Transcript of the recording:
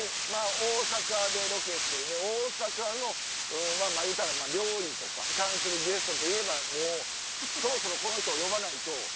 大阪でロケする大阪の料理に関するゲストといえばそろそろこの人を呼ばないと。